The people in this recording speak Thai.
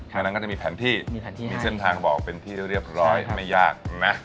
ดังนั้นก็จะมีแผนที่เส้นทางบอกเป็นที่เรียบร้อยไม่ยากนะ